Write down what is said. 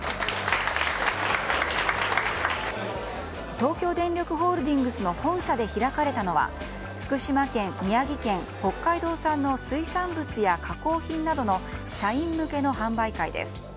東京電力ホールディングスの本社で開かれたのは福島県、宮城県、北海道産の水産物や加工品などの社員向けの販売会です。